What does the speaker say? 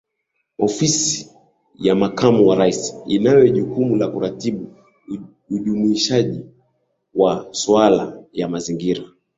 Ofisi ya Makamu wa Rais inayo jukumu la kuratibu ujumuishaji wa masuala ya mazingira